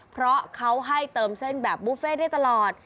เพราะเขาให้เติมเส้นแบบบุฟเฟ่ได้ตลอด